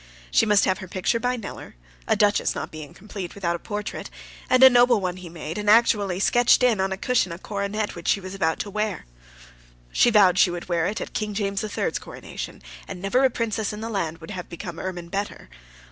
She must have her picture by Kneller, a duchess not being complete without a portrait, and a noble one he made, and actually sketched in, on a cushion, a coronet which she was about to wear. She vowed she would wear it at King James the Third's coronation, and never a princess in the land would have become ermine better.